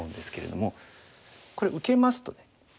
これ受けますとね